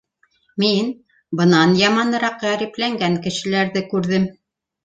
Мин бынан яманыраҡ ғәрипләнгән кешеләрҙе күрҙем.